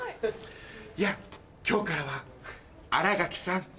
いや今日からは新垣さん。